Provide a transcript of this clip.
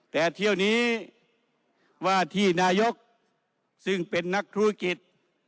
แต่เที่ยวนี้ว่าที่นายกซึ่งเป็นนักธุรกิจ